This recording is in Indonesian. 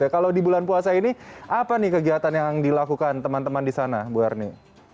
kalau di bulan puasa ini apa nih kegiatan yang dilakukan teman teman di sana bu ernie